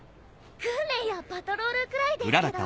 訓練やパトロールくらいですけど。